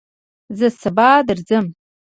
زه سبا درځم